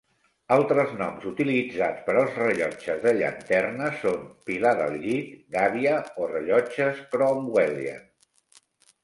Altres noms utilitzats per als rellotges de llanterna són "pilar del llit", "gàbia" o rellotges "Cromwellian".